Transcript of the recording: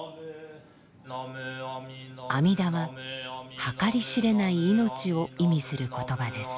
「阿弥陀」は計り知れない命を意味する言葉です。